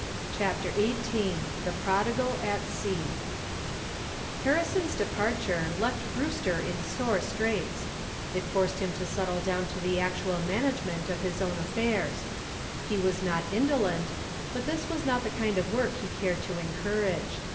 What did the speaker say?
CHAPTER XVIII THE PRODIGAL AT SEA Harrison's departure left Brewster in sore straits. It forced him to settle down to the actual management of his own affairs. He was not indolent, but this was not the kind of work he cared to encourage.